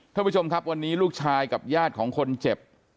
ท่านผู้ชมครับวันนี้ลูกชายกับญาติของคนเจ็บ